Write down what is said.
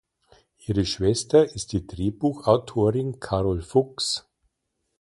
Ihre Schwester ist die Drehbuchautorin Carol Fuchs.